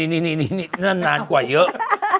นี่นี่นี่นี่นั่นนานไก่เยอะ